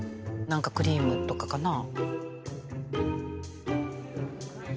何かクリームとかかな。